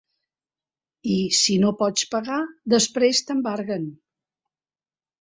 I si no pots pagar, després t’embarguen.